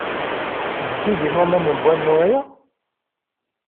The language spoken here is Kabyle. Zeddigit waman n wanu-a?